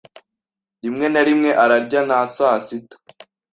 Rimwe na rimwe ararya na sasita.